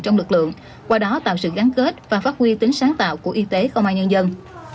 trong lực lượng qua đó tạo sự gắn kết và phát huy tính sáng tạo của y tế công an nhân dân